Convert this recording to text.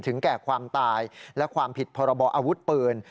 แก่ความตายและความผิดพรบออาวุธปืน